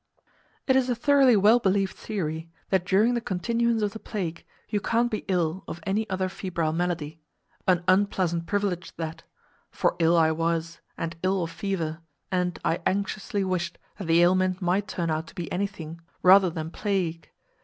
It is a thoroughly well believed theory, that during the continuance of the plague you can't be ill of any other febrile malady—an unpleasant privilege that! for ill I was, and ill of fever, and I anxiously wished that the ailment might turn out to be anything rather than plague.